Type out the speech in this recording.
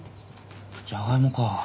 ジャガイモか。